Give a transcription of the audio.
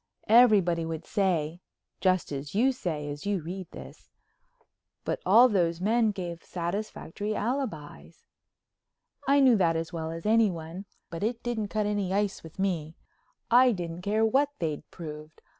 Everybody would say—just as you say as you read this—"but all those men gave satisfactory alibis." I knew that as well as anyone, but it didn't cut any ice with me, I didn't care what they'd proved.